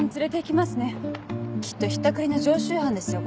きっとひったくりの常習犯ですよ